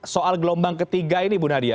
soal gelombang ketiga ini bu nadia